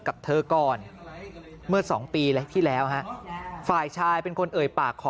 กับเธอก่อนเมื่อ๒ปีเลยที่แล้วฮะฝ่ายชายเป็นคนเอ่ยปากขอ